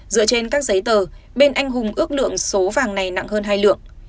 dựa trên các giấy tờ bên anh hùng ước lượng số vàng này nặng hơn hai lượng